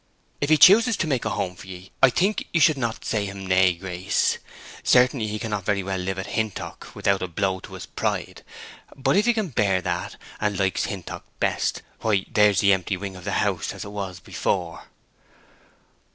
If he chooses to make a home for ye I think you should not say him nay, Grace. Certainly he cannot very well live at Hintock without a blow to his pride; but if he can bear that, and likes Hintock best, why, there's the empty wing of the house as it was before."